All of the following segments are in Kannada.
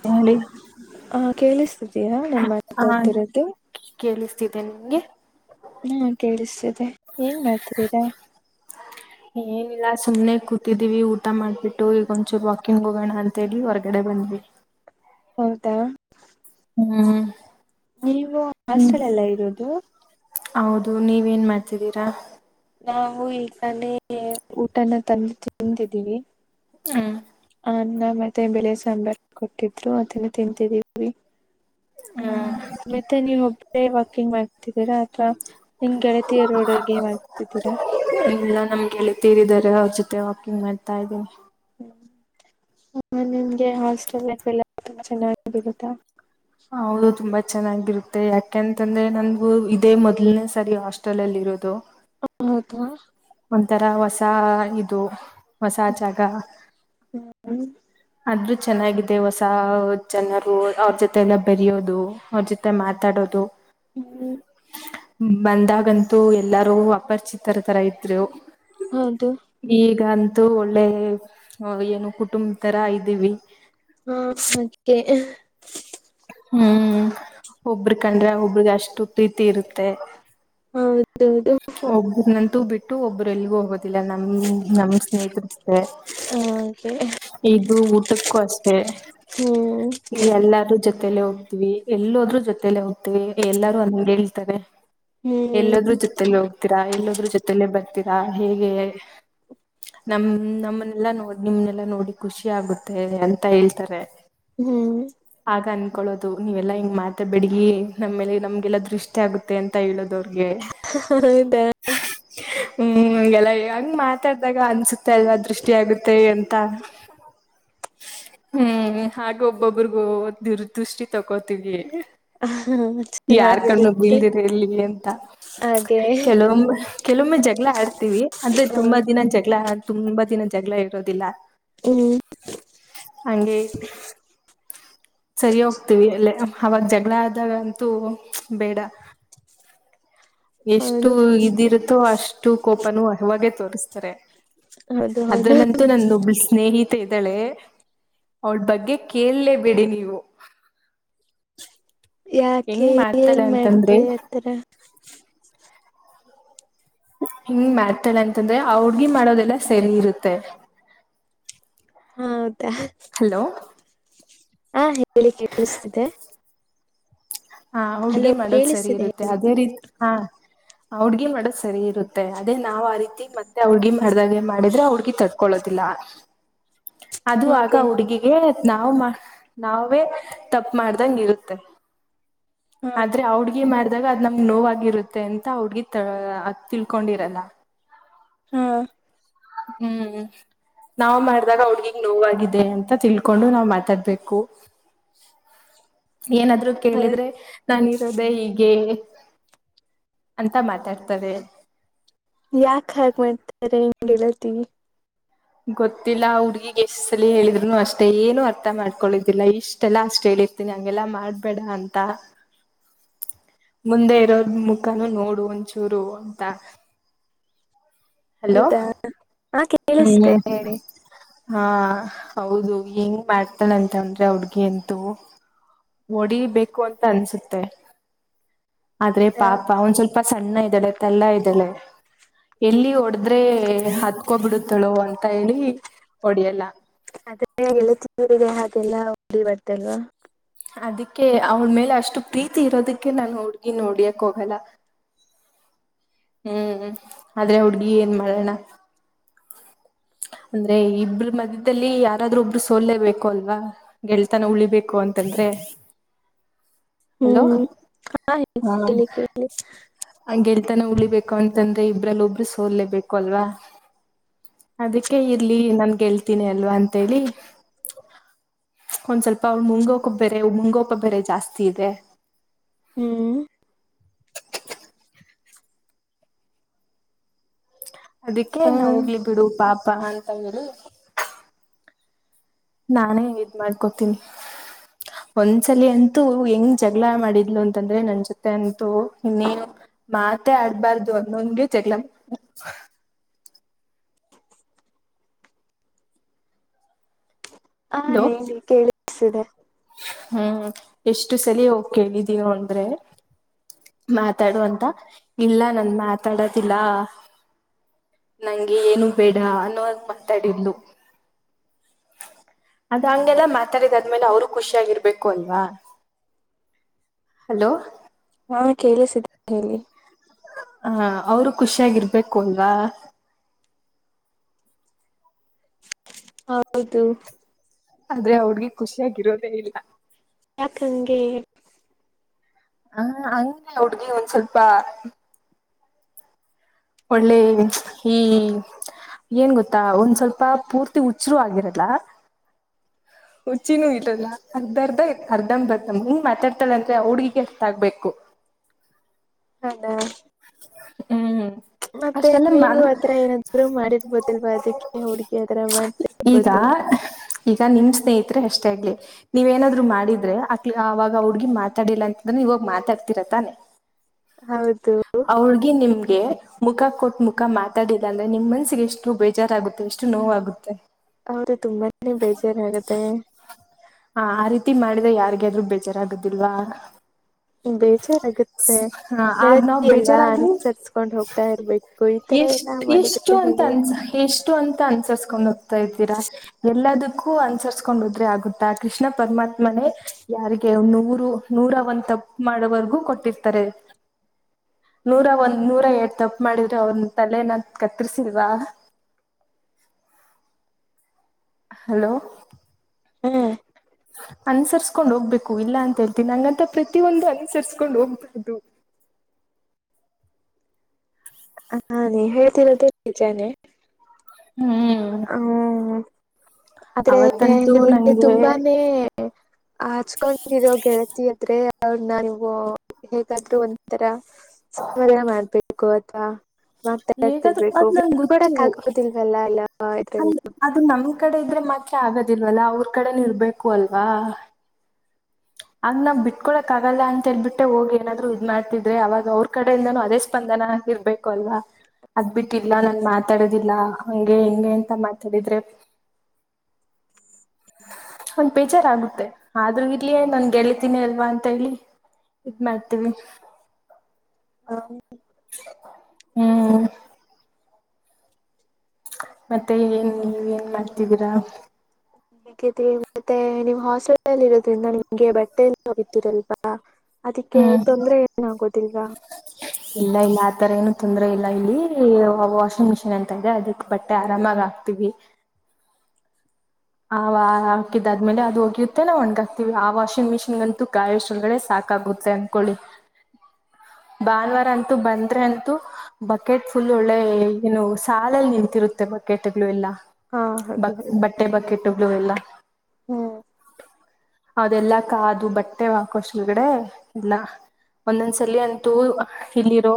ತಿಂಗಳಿ ಕೇಳಸ್ ಯಾ ನಾನ್ ಮಾತಾಡ್ತಿರೋದು ಕೇಳಿಸ್ತಿದೆ ನಿಮ್ಗೆ ಹಾ ಕೇಳಿಸ್ತದೆ ಏನ್ ಮಾಡ್ತದಿರಾ ಏನಿಲ್ಲ ಸುಮ್ಮ್ನೆ ಕೂತಿದ್ದೀವಿ ಊಟ ಮಾಡ್ಬಿಟ್ಟು ಹೀಗೊಂಚೂರು ವಾಕಿಂಗ್ ಹೋಗೋಣ ಅಂತೇಳಿ ಹೊರ್ಗಡೆ ಬಂದ್ವಿ ಹೌದಾ ಹ್ಮ್ ನೀವು ಹಾಸ್ಟೆಲ್ಲಾಲ್ಲ ಇರೋದು ಹೌದು ನೀವೇನ್ ಮಾಡ್ತಿದ್ದೀರಾ ನಾವು ಈಗಾನೇ ಊಟನ ತಂದು ತಿಂದಿದ್ದೀವಿ ಹ್ಮ್ ಅನ್ನ ಮತ್ತೆ ಬೆಳೆ ಸಾಂಬಾರ ಕೊಟ್ಟಿದ್ರು ಅದುನ ತಿಂತಿದೀವಿ ಹ್ಮ್ ಮತ್ತೆ ನೀವ್ ಒಬ್ರೆ ವಾಕಿಂಗ್ ಮಾಡ ಅಂದೀರಾ ಅಥವಾ ನಿಮ್ಮ ಗೆಳತಿಯ ರೋಡಗೆ ಗೇಮ ಆಡ್ತಿದೀರಾ ಇಲ್ಲ ನಮ್ ಗೆಳತಿಯರಿದ್ದಾರೆ ಅವ್ರ ಜೊತೆ ವಾಕಿಂಗ್ ಮಾಡ್ತಾ ಇದ್ದೀನಿ ಹ್ಮ್ ಹ ನಿನ್ಗೆ ಹಾಸ್ಟೆಲ್ ಲೈಫ್ ಎಲ್ಲ ತುಂಬ ಚೆನ್ನಾಗಿರುತ್ತಾ ಹ ಹೌದು ತುಂಬ ಚೆನ್ನಾಗಿರುತ್ತೆ ಯಾಕೆಂತಂದ್ರೆ ನಂದುು ಇದೇ ಮೊದಲನೇ ಸರಿ ಹಾಸ್ಟೆಲ್ ಅಲ್ಲಿ ಇರೋದು ಹ ಹೌದಾ ಒಂಥರ ಹೊಸ ಇದು ಹೊಸ ಜಾಗ ಹ್ಮ್ ಅದ್ರ ಚೆನ್ನಾಗಿದೆ ಹೊಸ ಜನರು ಅವ್ರ ಜೊತೆ ಎಲ್ಲ ಬೆರೆಯೋದು ಅವ್ರ ಜೊತೆ ಮಾತಾಡೋದು ಹ್ಮ್ ಬಂದಾಗಂತೂ ಎಲ್ಲಾರೂ ಅಪರಿಚಿತರ ತರ ಇ ಇದ್ರು ಹೌದು ಈಗ ಅ ಅದು ಒಳ್ಳೆ ಏನು ಕುಟುಂಬ ತರ ಇದ್ದೀವಿ ಹಾ ಹಾಗೆ ಸದ್ಯಕ್ಕೆ ಹ್ಮ್ ಒಬ್ರ ಕಂಡ್ರೆ ಒಬ್ರಿಗೆ ಅಷ್ಟು ಪ್ರೀತಿ ಇರುತ್ತೆ ಹೌದು ಹೋಗಬದು ನ ಬಿಟ್ಟು ಒಬ್ಬ ಎಲ್ಲಿಗೂ ಹೋಗುತ್ತೆ ನಮ ನಮ ಸ್ನೇಹಿತತೆ ಹಾಗೆ ಇದು ಊಟಕ್ಕೂ ಅಷ್ಟೇ ಹ್ಮ್ ಈ ಎಲ್ಲಾರೂ ಜೊತೆ ಜೊತಲ್ಲೇ ಹೋಗ್ತೀವಿ ಎಲ್ಲದ್ರೂ ಜೊತಲ್ಲೇ ಹೋಗ್ತೀವಿ ಎಲ್ಲಾರೂ ಅಲ್ ಮುಂದೆ ಅಂದ ಹೇಳ್ತಾರೆ ಹ್ಮ್ ಎಲ್ಲೊದ್ರೂ ತರಾ ಇಲ್ಲೋದ್ರ ಜೊತಲ್ಲೇ ಬರ್ತೀರಾ ಹೇಗೆ ನಮ ನಮ್ಮನೆಲ್ಲಾ ನೋ ನಿಮ್ನೆಲ್ಲಾ ನೋಡಿ ಖುಷಿ ಆಗುತ್ತೆ ಅಂತ ಹೇಳ್ತಾರೆ ಹ್ಮ್ ಕೊಳ್ಳೋದು ನೀವೆಲ್ಲಾ ಹಿಂಗ್ ಮಾತ ಬಿಡಗಿ ನಮ್ಮೇಲೆ ನಮ್ಗೆಲ್ಲಾ ದೃಷ್ಟಿ ಆಗುತ್ತೆ ಅಂತ ಹೇಳೋದ ಅವ್ರು ಗೆ ಹೌದಾ ಹ್ಮ್ ಹಂಗೇಲಾ ಹಂಗ ಮಾತಾಡ್ದಾಗ ಅನ್ಸುತ್ತೆ ಅಲ್ವಾ ದೃಷ್ಟಿ ಆಗುತ್ತೆ ಅಂತ ಹ್ಮ್ ಹಾಗ ಒಬ್ಬೊಬರಿಗೂ ದುರ್ದೃಷ್ಟಿ ತಕೋತವಿ ಹ ಚೆನ್ನಾಗಿರುತ್ತೆ ಹಾಗೆ ಕೆಲವೊಮ್ಮ ಕೆಲವೊಮ್ಮೆ ಜಗಳ ಆಡ್ತೀವಿ ಅಂದ್ರೆ ಹ ತುಂಬಾ ದಿನ ಜಗಳ ತುಂಬಾ ದಿನ ಜಗಳ ಇರೋದಿಲ್ಲ ಹ್ಮ್ ಹಂಗೆ ಸರಿ ಹೋಗ್ತೀವಿ ಎಲ್ಲ ಅವಾಗ ಜಗಳ ಆದಾಗಂತೂ ಬೇಡ ಎಷ್ಟು ಹೌದು ಇದಿರುತ್ತೋ ಅಷ್ಟು ಕೊ ಪ್ಪಾನೂ ಅವಾಗೆ ತೋರಿಸ್ತಾರೆ ಹೌದು ಹೌದು ಅದ್ರಲ್ಲಂತೂ ನಂದೊಬ್ಳ ಸ್ನೇಹಿತ ಮ ಇದ್ದಾಳೆ ಅವಳ ಬಗ್ಗೆ ಕೇಳಲೇ ಬಿಡಿ ನೀವು ಯಾಕೆ ಹೆಂಗ್ ಏನ್ ಮಾಡ್ತಾಳೆ ಅಂತಂದ್ರೆ ಮಾಡ್ತಾಳೆ ಆತರ ಹಿಂಗ್ ಮಾಡ್ತ ನಂ ಅಂದ್ರೆ ಹಡ್ಗಿ ಮಾಡೋದೆಲ್ಲ ಸರಿ ಇರುತ್ತೆ ತ್ತ ಹ ಹೌದಾ ಹ ಹೇಳಿ ಕೇಳಿಸ್ತಿದ್ದೆ ಹಾ ಹುಡ್ಗಿ ಹಲೋ ಮಾಡೋದ್ ಸರಿ ಕೇಳಿಸ್ತಿದೆ ಇರುತ್ತೆ ಅದೇ ರೀತಿ ಹಾ ಅವಡ್ಗನ್ ಮಾಡ್ ಸರಿ ಇರುತ್ತೆ ಅದೇ ನಾವ್ ಆ ರೀತಿ ಮತ್ತೆ ಹಡ್ಗಿ ಮಾಡಿದಾಗೆ ಮಾಡಿದ್ರೆ ಅವ ತಟ್ಕೊಳ್ಳೋದಿಲ್ಲ ಅದು ಆಗ ಹಾಗೆ ಹುಡುಗಿಗೆ ನಾವ್ ಮಾ ನಾವೇ ತಪ್ಪು ಮಾಡ್ದಂಗ ಇರುತ್ತೆ ಹಾ ಆದ್ರೆ ಆ ಹುಡುಗಿಮಾಡ ಆದದಾಗ ಅದ್ ನಮ್ಗೆ ನೋಗರುತ್ತೆ ಅಂತ ಹುಡ್ಗಿ ಅ ತಿಳ್ಕೊಂಡಿರಲ್ಲ ಹಾ ಹ್ಮ್ ನಾವ್ ಮಾಡ್ದಾಗ ಅವಡ್ಗಿಗ್ ನೋವಾಗಿದೆ ಅಂತ ತಿಳ್ಕೊಂಡು ನಾವ್ ಮಾತಾಡ್ಬೇಕು ಏನಾದ್ರು ಹೌದ್ ಕೇಳಿದ್ರೆ ನಾನಿರೋದೆೇ ಹೀಗೆ ಅಂತ ಮಾತಾಡ್ತದೆ ಯಾಕ ಹ ಮಾಡ್ತಾರೆ ಹೆಂಗ್ಗೆಳತಿ ಗೊತ್ತಿಲ್ಲ ಹುಡ್ಗಿಗೆ ಎಷ್ಟಸಲಿ ಹೇಳಿದ್ರುನು ಅಷ್ಟೆ ಏನು ಅರ್ಥ ಮಾಡ್ಕೊಳಿದ್ದಿಲ್ಲ ಇಷ್ಟ ಎಲ್ಲ ಅಷ್ಟ್ ಹೇಳಿರ್ತೀನಿ ಹಂಗೆಲ್ಲ ಮಾಡಬೇಡ ಅಂತ ಮುಂದೆ ಇರೋದ ಮುಖನೂ ನೋಡು ಒಂಚೂರು ಅಂತ ಹಲೋ ಹೌದಾ ಹಾ ಕೇಳಿಸ್ದೆ ಹೇಳಿ ಹಾ ಹೌದು ಹೆಂಗ ಮಾಡ್ತಾನಂತ ಅಂದ್ರೆ ಹುಡ್ಗಿ ಅಂತೂ ಹೊಡಿಬೇಕು ಅಂತ ಅನ್ಸುತ್ತೆ ಆದ್ರೆ ಹೌದಾ ಪಾಪ ಒಂದ್ ಸ್ವಲ್ಪ ಸಣ್ಣ ಇದ್ದಾಳೆ ತಲ್ಲ ಇದ್ದಾಳೆ ಎಲ್ಲಿ ಒಡದ್ರೆ ಹತ್ ಹಕೊಬಿಡುತ್ತಳು ಅಂತ ಹೇಳಿ ಹೊಡಿಯಲ್ಲ ಅಲ್ಲ ತಿ ಅಲ್ಲ ಹೊಡಿ ಬರ್ತಲ್ವಾ ಅದಕ್ಕೆ ಅವಳ ಮೇಲೆ ಅಷ್ಟು ಪ್ರೀತಿ ಇರೋದಕ್ಕೆ ನಾನು ಹುಡ್ಗಿ ನೋಡಿಯಕ್ ಹೋಗಲ್ಲ ಹ್ಮ್ ಆದ್ರೆ ಹುಡ್ಗಿ ಏನ್ ಮಾಡೋಣ ಅಂದ್ರೆ ಇಬ್ರು ಮಧ್ಯದಲ್ಲಿ ಯಾರಾದ್ರೂ ಒಬ್ರು ಸೋಲ್ಬೇಕು ಅಲ್ವಾ ಗೆಳ್ತನ ಉಳಿಬೇಕು ಅಂತಂದ್ರೆ ಹಲೋ ಹ್ಮ್ ಹಾ ಕೇಳಿ ಕೇಳಿ ಗೆಳ್ತಾನ ಉಳಿಬೇಕು ಅಂತಂದ್ರೆ ಇಬ್ರಲ್ಲ ಒಬ್ರು ಸೋಲ್ಲೇಬೇಕು ಅಲ್ವಾ ಅದಕ್ಕೆ ಇರ್ಲಿ ನನ್ ಗೆಳ್ತೀನಿ ಅಲ್ವಾ ಅಂತೇಳಿ ಒಂದ್ ಸ್ವಲ್ಪ ಅವಳ ಮುಂಗೋಪ ಬೆರೆ ಮುಂಗೋಪ ಬೆರೆ ಜಾಸ್ತಿ ಇದೆ ಹ್ಮ್ ಅದಿಕ್ಕ ನಾ ಹೋಗ್ಲಿ ಬಿಡು ಪಾಪ್ ಪ್ಪಾ ಅಂತ ಹೇಳಿ ನಾನೇ ಇದ್ ಮಾಡ್ಕೋತೀನಿ ಒಂದ್ಸಲಿ ಅಂತೂ ಹೆಂಗ್ ಜಗ್ಗಳ ಮಾಡಿದ್ಲು ಅಂತಂದ್ರೆ ನನ್ ಜೊತೆ ಅಂತೂ ಇನ್ನೇನು ಮಾತೇ ಆಡ್ಬಾರ್ದು ಅಂದೊಂದ್ಗೆ ಜಗ್ಗಳ ಹ ಹಲೋ ಹೇಳಿ ಕೇಳಿ ಸಿದೆ [inaudible] ಹ್ಮ್ ಎಷ್ಟು ಸಲಿ ಹೋಗ್ ಕೇಳಿದೀವಿ ಅಂದ್ರೆ ಮಾತಾಡು ಅಂತ ಇಲ್ಲ ನನ್ ಮಾತಾಡದಿಲ್ಲ ನಂಗೆ ಏನು ಬೇಡ ಅನ್ನೋಗ್ ಮಾತಾಡಿದ್ಲು ಅದ ಹಂಗೆಲ್ಲ ಮಾತಾಡಿದಾದ್ಮೇಲೆ ಅವರು ಖುಷಿ ಆಗಿರ್ಬೇಕು ಅಲ್ವಾ ಹಲೋ ಹಾ ಕೇಳಿಸಿದೆ ಹೇಳಿ ಹ ಅವ್ರು ಖುಷಾಗಿರ್ಬೇಕು ಅಲ್ವಾ ಹೌದು ಆದ್ರೆ ಅವ್ಗೆ ಖುಷಿಯಾಗಿರೋದೇ ಇಲ್ಲ ಕಂಗೆ [unintelligible] ಹಾ ಹಂಗಗೆ ಹುಡ್ಗಿ ಒಂದ್ ಸ್ವಲ್ಪ ಒಳ್ಳೆ ಈ ಏನ್ ಗೊತ್ತಾ ಒಂದ್ ಸ್ವಲ್ಪ ಪೂರ್ತಿ ಉಚ್ರು ಆಗಿರಲ್ಲ ಹುಚ್ಚಿನೂ ಇರಲ್ಲ ಅರ್ಧರ್ ಅರ್ಧಮ್ ಬರ್ದಮ್ ಹ್ಮ್ ಮಾತಾಡ್ತಳಂತೆ ಹಾ ಹುಡ್ಗಿಗೆ ಅರ್ದ ಆಗ್ಬೇಕು ಡ [inaudible] ಹ್ಮ್ ಮತ್ತೆ ಅಷ್ಟೆಲ್ಲ ನೀವು ಮನ್ ಅತ್ರ ಏನಾದರು ಮಾಡಿರ್ಬೋದಿಲ್ವಾ ಅದಕ್ಕೆ ಹಾ ಹುಡ್ಗಿ ಆತರ ಈಗ ಮಾಡ್ತಿರ್ಬೋದು ಅಷ್ಟ ಆಗ್ಲಿ ನೀವೇನಾದ್ರು ಮಾಡಿದ್ರೆ ಆ ಆ ಅವಾಗ ಹುಡ್ಗಿ ಮಾತಾಡಿಲ್ಲ ಅಂತಂದ್ರೆ ಇವಾಗ ಮಾತಾಡ್ತಿರ ತಾನೆ ಹೌದು ಅವ್ಳಗೆ ನಿಮ್ಮ್ ಮುಖ ಕೊಟ್ ಮುಖ ಮಾತಾಡಿಲ್ಲ ಅಂದ್ರೆ ನಿಮ್ ಮನ್ಸ್ಗೆ ಎಷ್ಟು ಬೇಜಾರಾಗುತ್ತೆ ಎಷ್ಟು ನೋವಾಗುತ್ತೆ ಹೌದು ತುಂಬಾನೇ ಬೇಜಾರಾಗುತ್ತೆ ಹಾ ಆ ರೀತಿ ಮಾಡಿದ್ರೆ ಯಾರ್ಗಾದ್ರು ಬೇಜಾರಾಗುದಿಲ್ವಾ ಬೇಜಾರಾಗುತ್ತೆ ಹ ಆಗ ನಾವ್ ನೆಲತಿ ಅಲ್ವಾ ಅನುಸಸ್ಕೊಂಡ್ ಹೋಗ್ತಾ ಇರ್ಬೇಕು ಈ ತರ ಎಲ್ಲಾ ಎಷ್ಟ ಎಷ್ಟು ಮಾಡಿದ್ರೆ ಅಂತ ಹೇಗೆ ಅನ್ಸ ಎಷ್ಟು ಅಂತ ಅನ್ಸರ್ಸ್ಕೊಂಡ್ ಹೋಗ್ತಾ ಇದ್ದೀರಾ ಎಲ್ಲದಕ್ಕು ಕ್ಕು ಅನ್ಸರ್ಸ್ಕೊಂಡದ್ರೆ ಆಗುತ್ತಾ ಕೃಷ್ಣ ಪರಮಾತ್ಮನೇ ಯಾರಿಗೆ ನೂರು ನೂರ ಒಂದ ತಪ್ಪು ಮಾಡೋವರೆಗೂ ಕೊಟ್ಟಿರ್ತಾರೆ ನೂರ ಒಂದ ನೂರ ಎ ತಪ್ಪು ಮಾಡಿರ್ ಅವ್ರನ್ ತಲೆನ ಕತ್ತರ್ಸಿಲ್ವಾ ಹಲೋ ಹ್ಮ ಅನ್ಸರ್ಸ್ಕೊಂಡ್ ಹೋಗ್ಬೇಕು ಇಲ್ಲ ಅಂತ ಹೇಳ್ತೀನಿ ಹಂಗಂತ ಪ್ರತಿಯೊಂದು ಅನುಸರಿಸ್ಕೊಂಡು ಹೋಗ್ ಡು [inaudible] ಹ ನೀ ಹೇಳ್ತಿರದ ನಿಜಾನೆ ಹ್ಮ್ ಹ್ಮ ಆದ್ರೆ ಅವತ್ತಂತೂ ನಿಮಗೆ ನಂಗೆ ತುಂಬಾನೇ ಹಚ್ಕೊಂಡಿರೋ ಗೆಳತಿ [unintelligible] ಅವ್ರನ್ನ ನೀವು ಹೇಗಾದ್ರು ಒಂಥರ ಸ ಮರಯ ಮಾಡ್ಬೇಕೇು ತುಗತ್ತ [unintelligible] ಹೇಗಾದ್ರೂ ಅದ್ ನಂಗ್ ಮಾತಾಡತಿರ್ಬೇಕುಡ್ಕಡಕ್ ಗೊತ್ತು ಆಗೋದಿಲ್ವಲ್ಲ ಎಲ್ಲ ಆಯತ ಅಂದ್ರೆ ಅದು ನಮ್ ಕಡೆ ಇದ್ರೆ ಮಾತ್ರ ಆಗೋದಿಲ್ವಲ್ಲ ಅವ್ರ ಕಡೆನ ಇರ್ಬೇಕು ಅಲ್ವಾ ಆಗ ನಾವ್ ಬಿಟ್ಕೊಳಕ್ ಆಗಲ್ಲ ಅಂತೇಳ್ಬಿಟ್ಟೆ ಹೋಗಿ ಏನಾದ್ರು ಇದ್ ಮಾಡ್ತಿದ್ರೆ ಅವಾಗ ಅವ್ರ ಕಡೆಯಿಂದಾನೂ ಅದೇ ಸ್ಪಂದನ ಇರ್ಬೇಕು ಅಲ್ವಾ ಅದ್ ಬಿಟ್ಟಿಲ್ಲ ನನ್ ಮಾತಾಡ ಲ್ಲ ಹಂಗೆ ಹೆಂಗೆ ಎಂತ ಮಾತಾಡಿದ್ರೆ ಒಂದ್ ಬೇಜಾರಾಗುತ್ತೆ ಆದ್ರೂ ಇರ್ಲಿಯೇ ನಾನನ್ ಗೆಳತನಿ ಅಲ್ವಾ ಅಂತ ಹೇಳಿ ಇದ ಮಾಡ್ತೀವಿ ಹ ಹ್ಮ್ ಮತ್ತೆ ನ್ ನೀ ಏನ್ ಮಾಡ್ತಿದ್ದೀರಾ ಹೇಗ ಮತ್ತೆ ನೀವ್ ಹಾಸ್ಪೆಟಲ್ ಇರೋದ್ರಿಂದ ನಿಮಗೆ ಬಟ್ಟೆಲ್ಲ ಹೋಗಿದ್ದೀರಲ್ವಾ ಅದಕ್ಕೆ ಹ್ಮ್ ತೊಂದ್ರ ಏನಾಗುತ್ತ ತ್ತಗ [inaudible] ಇಲ್ಲ ಇಲ್ಲ ಆತರ ಏನು ತೊಂದ್ರ ಇಲ್ಲ ಇಲ್ಲಿ ವಾಷಿಂಗ್ ಮಿಷಿನ್ ಅಂತ ಇದೆ ಅದಕ್ ಬಟ್ಟೆ ಆರಾಮಾಗ ಆಕ್ತಿವಿ ಆ ಹಾಕಿದಾದ್ಮೇಲೆ ಅದು ಹೋಗಿಯುತ್ತೆ ನಾವ್ ಒಣ್ಗಾಕ್ತಿವಿ ಆ ವಾಷಿಂಗ್ ಮಿಷಿನ್ಗಂತೂ ಕಾಯಷ್ಟಗಡೆೇ ಸಾಕಾಗುತ್ತೆ ಅನ್ಕೊಳ್ಳಿ ಭಾನುವಾರ ಅಂತೂ ಬಂದ್ರೆ ಅಂತೂ ಬಕೆಟ್ ಫುಲ್ ಒಳ್ಳೆ ಏನು ಸಾಲಲ್ಲಿ ನಿಂತಿರುತ್ತೆ ಬಕೆಟ್ಗಳು ಎಲ್ಲಾ ಹಾ ಹಾಗೆ ಹಾಗೆ ಕೆಟ್ಟಬ್ಎಲ್ಲ ಹ್ಮ್ ಅದೆಲ್ಲಾ ಕಾದು ಬಟ್ಟೆ ಹಾಕೋಷ್ಟಳಗಡೆ ಇಲ್ಲ ಒಂದೊಂದ್ಸಲಿ ಅಂತೂ ಇಲ್ಲಿರೋ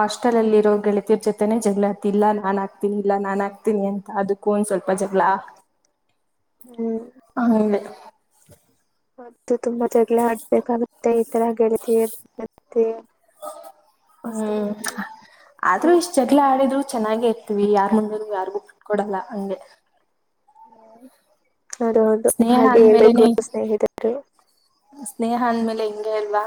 ಹಾಸ್ಟೆಲ್ ಅಲ್ಲಿರೋ ಗೆಳತರ್ ಜೊತೆನೆ ಜಗಳತಿ ಇಲ್ಲಾ ನಾನ್ ಹಾಕ್ತೀನಿ ಇಲ್ಲಾ ನಾನ ಹಾಕ್ತೀನಿ ಅಂತ ಅದಕ್ಕೂ ಒಂದ ಸ್ವಲ್ಪ ಜಗಳ ಹ್ಮ್ ಹ ಹ [inaudible] ಹೌ [inaudible] ದು ತುಂಬಾ ತಗ್ಗಳ ಆಡ್ಬೇಕಾಗುತ್ತೆ ಈ ತರ ಗೆಳತಿ ಹ್ಮ್ ಹ್ಮ ಆದ್ರೂ ಇಷ್ಟ್ ಜಗಳ ಆಡಿದ್ರು ಚೆನ್ನಾಗೆ ಇರ್ತೀವಿ ಯಾರ್ ಮುಂದ ಯಾರಿಗು ಕಟ್ಕೊಡಲ್ಲ ಹಂಗೆ ಹ್ಮ್ ಅದು ಒಂದು ಸ್ನೇಹ ಹಾಗೆ ಹೇಳ್ಬೇಕು ಅಂದ್ಮೇಲೆನೆ ಸ್ನೇಹಿತರು ಸ್ನೇಹ ಅಂದ್ಮೇಲೆ ಹಿಂಗೆ ಅಲ್ವಾ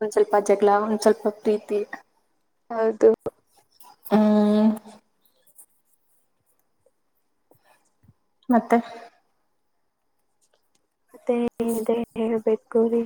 ಒಂದ್ ಸ್ವಲ್ಪ ಜಗಳ ಒಂದ್ ಸ್ವಲ್ಪ ಪ್ರೀತಿ ಹೌದು ಹ [unintelligible] ಮತ್ತೆ ತಿಂದೆ ಹೇಳೇಳ್ರಿ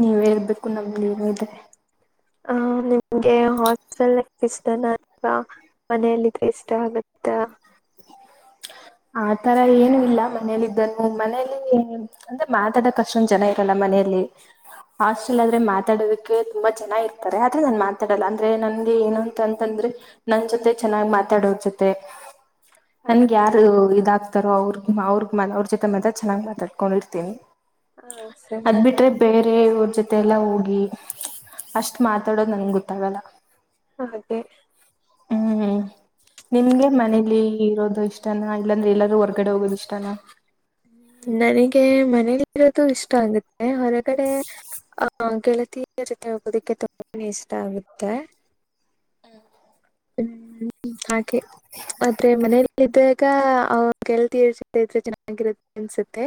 ನೀವ ಹೇಳ್ಬೇಕು ನಮಲ್ಲಿರೆ ಹ ನಿಮ್ಗೆ ಹಾಸ್ಟೆಲ್ ಲಫ್ ಇಷ್ಟನ ಅಲ್ವಾ ಮನೆಯಲ್ಲಿದೆ ಇಷ್ಟ ಆಗತ್ತ ಆ ಆ ತರ ಏನು ಇಲ್ಲ ಮನೇಲಿ ಇದಿದ್ದನ್ನು ಮನೇಲಿ ಅಂದ್ರೆ ಮಾತಾಡಕ್ ಅಷ್ಟೊಂದ ಜನ ಇರಲ್ಲ ಮನೆಯಲ್ಲಿ ಹಾಸ್ಟೆಲ್ ಆದ್ರೆ ಮಾತಾಡೋದಕ್ಕೆ ತುಂಬಾ ಜನ ಇರ್ತಾರೆ ಆದ್ರೆ ನಾನ್ ಮಾತಾಡಲ್ಲ ಅಂದ್ರೆ ನನ್ ಏನುಂತ ಅಂತಂದ್ರೆ ನನ್ ಜೊತೆ ಚೆನ್ನಾಗ್ ಮಾತಾಡೋದ ಜೊತೆ ಹಾಗೆ ನನ್ಗೆ ಯಾರ ಇದಾಗ್ತಾರೋ ಅವ್ರ ಅವ್ರ ಮ ಅವ್ರ ಜೊತೆ ಮ ಚೆನ್ನಾಗ ಮಾತಾಡ್ಕೊಂಡಿರ್ತೇನಿ ಹಾ ಸರಿ ಅದ್ ಬಿಟ್ರೆ ಬೇರೆ ಇ ಜೊತೆ ಎಲ್ಲಾ ಹೋಗಿ ಅಷ್ಟ್ ಮಾತಾಡೋದು ನನ್ ಗೊತ್ತಾಗಲ್ಲ ಹಾಗೆ ಹ್ಮ್ ನಿಮ್ಗೆ ಮನೇಲಿ ಇರೋದು ಇಷ್ಟ ಇಷ್ಟನ ಇಲ್ಲಂದ್ರೆ ಎಲ್ಲರೂ ಹೊರ್ಗಡೆ ಹೋಗೋದ ಇಷ್ಟಾನ ನನಗೆ ಮನೇಲಿರೋದು ಇಷ್ಟ ಆಗುತ್ತೆ ಹೊರಗಡೆ ಆಹ ಗೆಳತಿಯ ರತಿ ಹೋಗೋದಿಕ್ಕೆ ತುಂಬ ಇಷ್ಟ ಆಗುತ್ತೆ ಹ್ಮ್ ಹಾಗೆ ಆದ್ರೆ ಮನೇೆಯಲ್ಲಿ ಇದ್ದಾಗ ಅವ [unintelligible] ಚೆನ್ನಾಗಿರುತ್ತೆ ಅನ್ಸುತ್ತೆ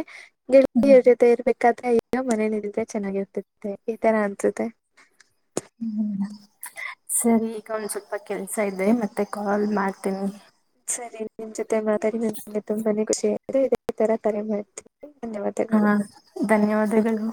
ಗೆಳತಿಯ ಜೊತೆ ಇರ್ಬೇಕು ಕತೆೆ ಅಯ್ಯೋ ಮನೇ ನಿ ಇದ್ರೆ ಚೆನ್ನಾಗಿರ್ತತ್ತೆ ಈ ತರ ಅನ್ಸುತ್ತೆ ಹ್ಮ್ ಸರಿ ಈಗ ಒಂದ ಸ್ವಲ್ಪ ಕೆಲ್ಸ ಇದೆ ಮತ್ತೆ ಕಾಲ್ ಮಾಡ್ತೇನಿ ಸರಿ ನಿಮ್ ಜೊತೆ ಮಾತಾಡಿ ನಗೆ ತುಂಬಾನೇಖಷಿ ಆ ಅ ಇದೇ ತರ ತ ಮಾಡಯ್ ಹಾ ಧನ್ಯವಾದಗಳು